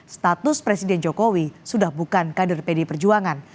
status presiden jokowi sudah bukan kader pdi perjuangan